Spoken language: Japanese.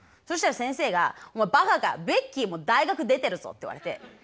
そしたら先生が「お前ばかかベッキーも大学出てるぞ」って言われて。